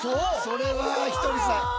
それはひとりさん。